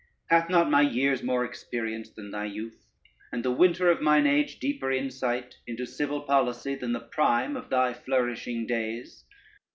Hath not my years more experience than thy youth, and the winter of mine age deeper insight into civil policy, than the prime of thy flourishing days?